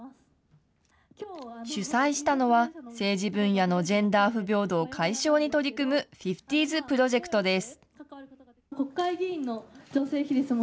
主催したのは、政治分野のジェンダー不平等解消に取り組むＦＩＦＴＹＳＰＲＯＪＥＣＴです。